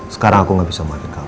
sekarang aku nggak bisa maafin kamu